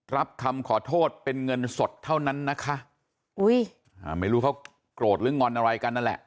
รับคำขอโทษเป็นเงินสดเท่านั้นนะคะอุ้ยอ่าไม่รู้เขาโกรธหรืองอนอะไรกันนั่นแหละ